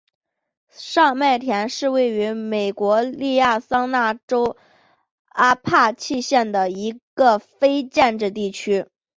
上麦田是位于美国亚利桑那州阿帕契县的一个非建制地区。